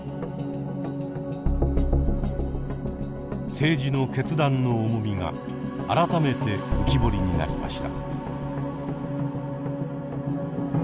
政治の決断の重みが改めて浮き彫りになりました。